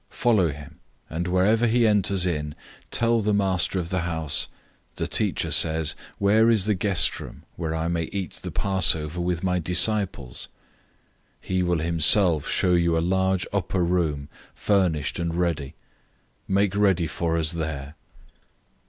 Follow him, 014:014 and wherever he enters in, tell the master of the house, 'The Teacher says, "Where is the guest room, where I may eat the Passover with my disciples?"' 014:015 He will himself show you a large upper room furnished and ready. Make ready for us there."